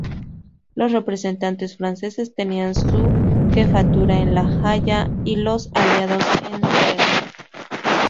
Los representantes franceses tenían su jefatura en La Haya y los aliados en Delft.